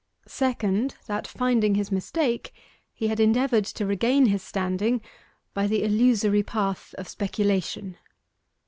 Second, that finding his mistake, he had endeavoured to regain his standing by the illusory path of speculation.